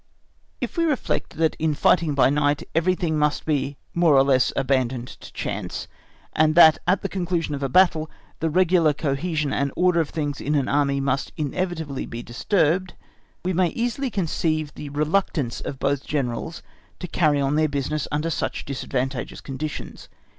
If we reflect that in fighting by night everything must be, more or less, abandoned to chance, and that at the conclusion of a battle the regular cohesion and order of things in an army must inevitably be disturbed, we may easily conceive the reluctance of both Generals to carrying on their business under such disadvantageous conditions.